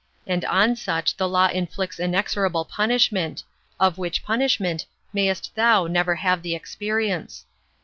And on such the law inflicts inexorable punishment; of which punishment mayst thou never have the experience."